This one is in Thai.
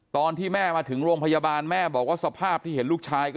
ตอนที่แม่มาถึงโรงพยาบาลแม่บอกว่าสภาพที่เห็นลูกชาย